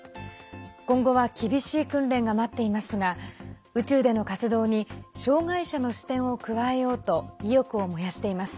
今後は厳しい訓練が待っていますが宇宙での活動に障害者の視点を加えようと意欲を燃やしています。